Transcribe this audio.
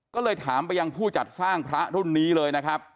ก็เลยถามไปยังผู้จัดสร้างพระรุ่นนี้เลยนะครับ